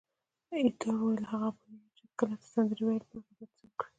ایټور وویل: هغوی پوهیږي چې کله ته سندرې ویل پیل کړې باید څه وکړي.